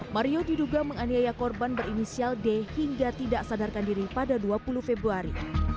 mario diduga menganiaya korban berinisial d hingga tidak sadarkan diri pada dua puluh februari